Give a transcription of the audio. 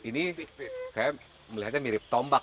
ini saya melihatnya mirip tombak